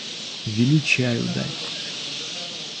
Вели чаю дать.